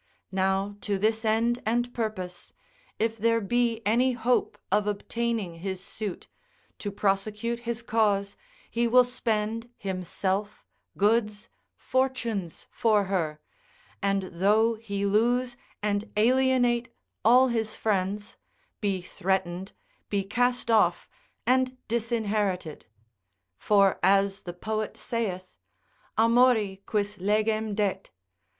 Now to this end and purpose, if there be any hope of obtaining his suit, to prosecute his cause, he will spend himself, goods, fortunes for her, and though he lose and alienate all his friends, be threatened, be cast off, and disinherited; for as the poet saith, Amori quis legem det?